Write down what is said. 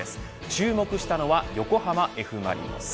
注目したのは横浜Ｆ・マリノス。